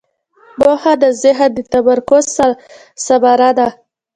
موخه د ذهن د تمرکز ثمره ده.